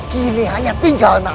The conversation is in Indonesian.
kini hanya tinggal enak